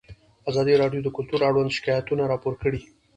ازادي راډیو د کلتور اړوند شکایتونه راپور کړي.